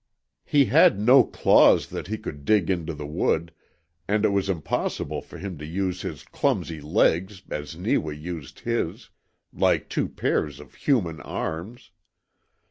He had no claws that he could dig into the wood, and it was impossible for him to use his clumsy legs as Neewa used his like two pairs of human arms.